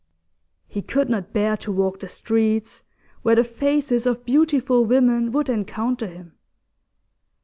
He could not bear to walk the streets where the faces of beautiful women would encounter him.